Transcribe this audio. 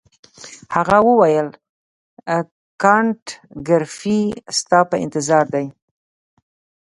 هغه وویل کانت ګریفي ستا په انتظار دی.